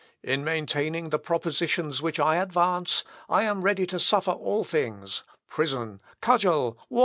In maintaining the propositions which I advance, I am ready to suffer all things, prison, cudgel, water, and fire."